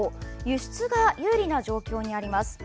輸出が有利な状況にあります。